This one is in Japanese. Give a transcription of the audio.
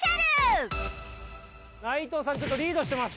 本日は内藤さんちょっとリードしてます。